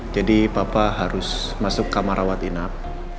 papa harus masuk kamar rawat inap